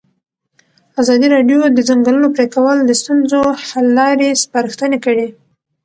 ازادي راډیو د د ځنګلونو پرېکول د ستونزو حل لارې سپارښتنې کړي.